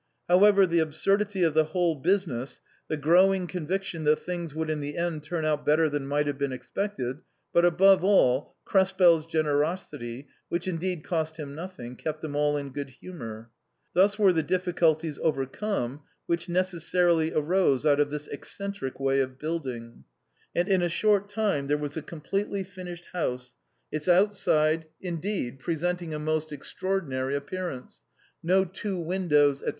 However, the absurdity of the whole business, the growing conviction that things would in the end turn out better than might have been expected, but above all, Krespel's generosity — which indeed cost him nothing — kept them all in good humour. Thus were the difficulties overcome which necessarily arose out of this eccentric way of building, and in a short time there was a completely finished house, its outside. 4 THE CREMONA VIOLIN. indeed, presenting a most extraordinary appearance, no two windows, &c.